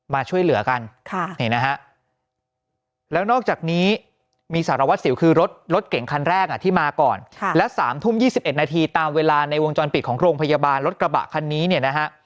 มาช่วยเหลือกันนี่นะฮะแล้วนอกจากนี้มีสารวัสสิวคือรถรถเก่งคันแรกที่มาก่อนและ๓ทุ่ม๒๑นาทีตามเวลาในวงจรปิดของโรงพยาบาลรถกระบะคันนี้เนี่ยนะฮะ